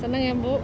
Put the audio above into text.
senang ya bu